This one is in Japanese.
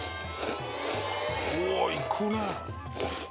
おぉいくね。